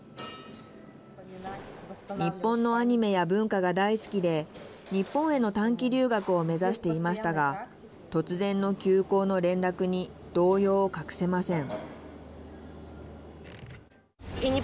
日本のアニメや文化が大好きで日本への短期留学を目指していましたが突然の休講の連絡に動揺を隠せません。